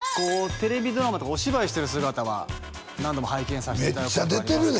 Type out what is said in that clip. テレビドラマとかお芝居してる姿は何度も拝見させていただくめっちゃ出てるで